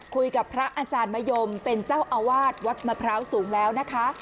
คุยกับพระอาจารย์มะยมเป็นเจ้าอาวาสวัดมะพร้าวสูงแล้วนะคะ